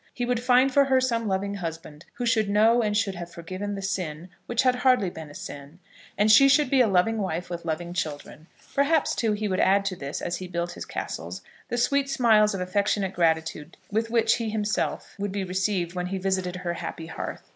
He would find for her some loving husband, who should know and should have forgiven the sin which had hardly been a sin, and she should be a loving wife with loving children. Perhaps, too, he would add to this, as he built his castles, the sweet smiles of affectionate gratitude with which he himself would be received when he visited her happy hearth.